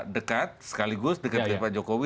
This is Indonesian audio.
dekat sekaligus dekat dengan pak jokowi